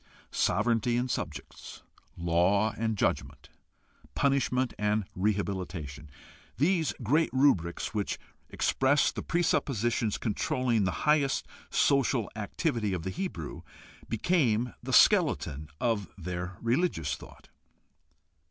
Sovereignty and subjects, law and judgment, punishment and rehabilitation, these great rubrics which express the presuppositions con trolling the highest social activity of the Hebrew, became the skeleton of their religious thought.